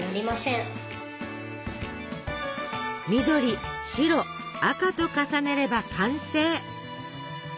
緑・白・赤と重ねれば完成！